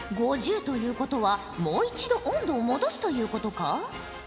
５０ということはもう一度温度を戻すということか？